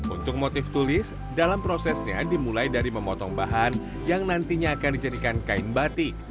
untuk motif tulis dalam prosesnya dimulai dari memotong bahan yang nantinya akan dijadikan kain batik